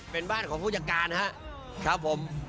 เป็นบ้านของผู้จัดการนะครับผม